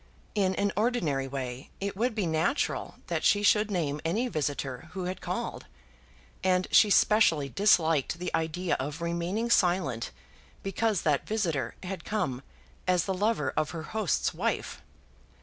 In an ordinary way, it would be natural that she should name any visitor who had called, and she specially disliked the idea of remaining silent because that visitor had come as the lover of her host's wife.